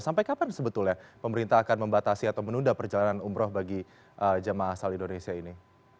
sampai kapan sebetulnya pemerintah akan membatasi atau menunda perjalanan umroh bagi jemaah asal indonesia ini